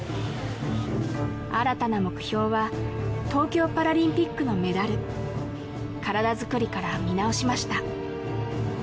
新たな目標は東京パラリンピックのメダル体づくりから見直しました